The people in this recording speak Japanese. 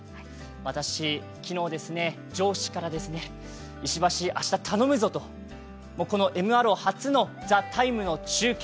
私、昨日、上司から、石橋、明日頼むぞと、ＭＲＯ初の「ＴＨＥＴＩＭＥ，」の中継